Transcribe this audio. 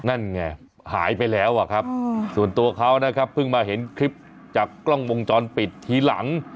นั่นไงหายไปแล้วอะครับส่วนตัวเขานะครับเพิ่งมาเห็นคลิปจากกล้องวงจรปิดทีหลัง